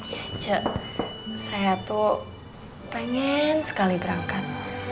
ya saya tuh pengen sekali berangkat